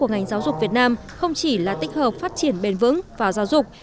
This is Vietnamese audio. ngành giáo dục việt nam không chỉ là tích hợp phát triển bền vững và giáo dục